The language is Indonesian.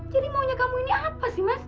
jadi maunya kamu ini apa sih mas